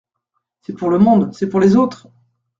C’est pour le monde, c’est pour les autres !